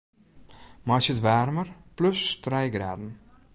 Meitsje it waarmer plus trije graden.